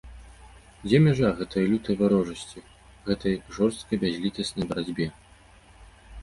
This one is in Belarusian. Дзе мяжа гэтай лютай варожасці, гэтай жорсткай бязлітаснай барацьбе?